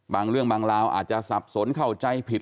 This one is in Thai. บางเรื่องบางราวอาจจะสับสนเข้าใจผิด